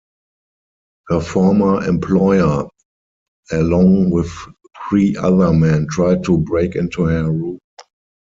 Her former employer along with three other men tried to break into her room.